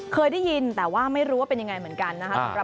เคยได้ยินแต่ว่าไม่รู้ว่าเป็นยังไงเหมือนกันนะครับ